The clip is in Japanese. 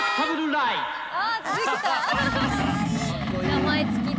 名前付きだ。